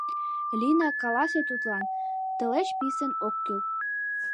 Лина, каласе тудлан: тылеч писын ок кӱл!..